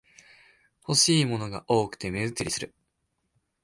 欲しいものが多くて目移りする